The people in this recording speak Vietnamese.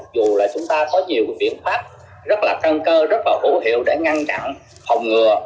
dù là chúng ta có nhiều biện pháp rất là căn cơ rất là hữu hiệu để ngăn chặn phòng ngừa